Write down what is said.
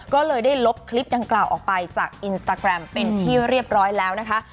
ก็เลยได้ลบคลิปดังกล่าวออกไปจากอินสตาแกรมเป็นที่เรียบร้อยแล้วนะคะ